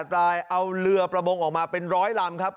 ๘รายเอาเรือประมงออกมาเป็น๑๐๐ลำครับ